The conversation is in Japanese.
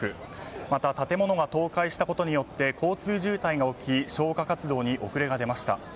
また、建物が倒壊したことによって交通渋滞が起き消火活動に遅れが出ました。